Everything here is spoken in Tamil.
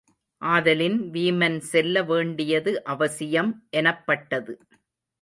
ஆதலின் வீமன் செல்ல வேண்டியது அவசியம் எனப்பட்டது.